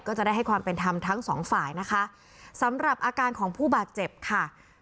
ก็จะได้ให้ความเป็นธรรมทั้งสองฝ่ายนะคะสำหรับอาการของผู้บาดเจ็บค่ะ